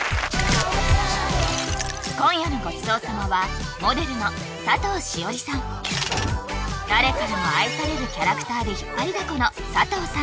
今夜のごちそう様は誰からも愛されるキャラクターで引っ張りだこの佐藤さん